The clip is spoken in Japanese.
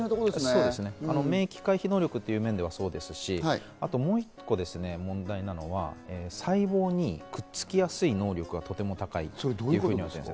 免疫回避能力という面ではそうですし、もう１つ問題なのは、細胞にくっつきやすい能力がとても高いんです。